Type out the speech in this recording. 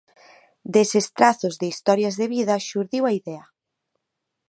Deses trazos de historias de vida xurdiu a idea.